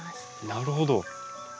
なるほど。